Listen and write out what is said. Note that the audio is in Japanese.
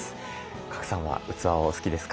賀来さんは器はお好きですか？